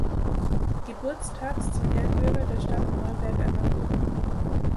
Geburtstags zum Ehrenbürger der Stadt Mahlberg ernannt.